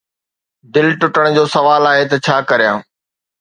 دل ٽٽڻ جو سوال آهي ته ”ڇا ڪريان؟